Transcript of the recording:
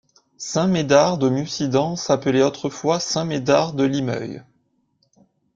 Saint-Médard-de-Mussidan s'appelait autrefois Saint Médard de Limeuil.